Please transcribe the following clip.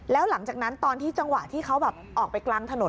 แล้วหลังจากนั้นตอนที่จังหวะที่เขาแบบออกไปกลางถนน